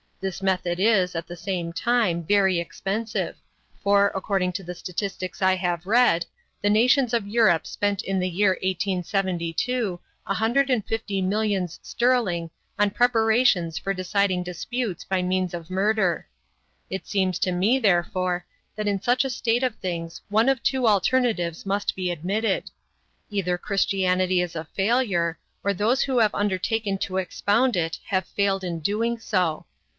This method is, at the same time, very expensive, for, according to the statistics I have read, the nations of Europe spent in the year 1872 a hundred and fifty millions sterling on preparations for deciding disputes by means of murder. It seems to me, therefore, that in such a state of things one of two alternatives must be admitted: either Christianity is a failure, or those who have undertaken to expound it have failed in doing so.